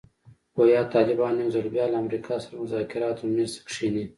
ګویا طالبان یو ځل بیا له امریکا سره مذاکراتو میز ته کښېني.